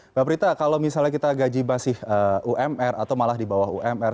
mbak prita kalau misalnya kita gaji masih umr atau malah di bawah umr